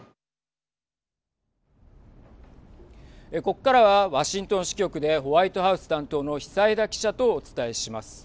ここからはワシントン支局でホワイトハウス担当の久枝記者とお伝えします。